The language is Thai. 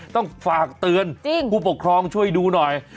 ต้องฝากเตือนผู้ปกครองช่วยดูหน่อย